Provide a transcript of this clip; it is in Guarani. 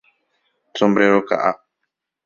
Sombrero ka'a.